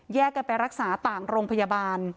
กันไปรักษาต่างโรงพยาบาล